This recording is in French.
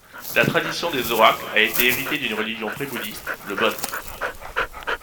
La tradition des oracles a été héritée d'une religion pré-bouddhiste, le Bön.